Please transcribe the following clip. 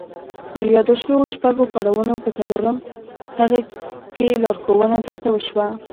د يادو شويو شپږو پړاوونو په څلورم هغه کې لارښوونه درته وشوه.